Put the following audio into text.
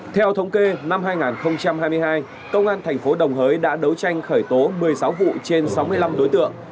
theo thống kê năm hai nghìn hai mươi hai công an thành phố đồng hới đã đấu tranh khởi tố một mươi sáu vụ trên sáu mươi năm đối tượng